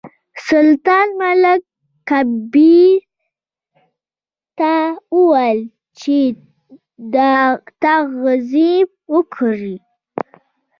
سلطان ملک کبیر ته وویل چې تعظیم وکړه.